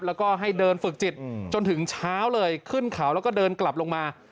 แล้วก็ให้เดินฝึกจิตจนถึงเช้าเลยขึ้นเขาแล้วก็เดินกลับลงมา